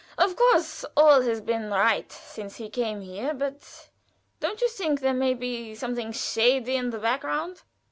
Of course all has been right since he came here; but don't you think there may be something shady in the background?"